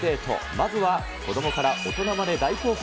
まずは子どもから大人まで大興奮。